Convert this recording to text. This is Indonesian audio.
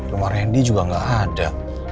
rumah randy juga nggak ada